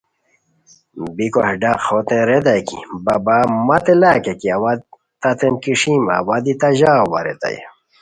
بیکو ہے ڈق ہوتین ریتائے کی بابا مت لاکیکی اوا تتین کیݰیم اوا دی تہ ژاؤ وا ریتائے